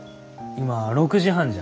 今６時半じゃ。